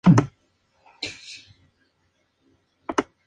Los monarcas de esta dinastía se rodearon de consejeros macedonios y extranjeros.